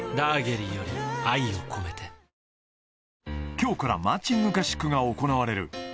きょうからマーチング合宿が行われる。